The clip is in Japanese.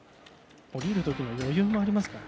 降りるときの余裕もあります。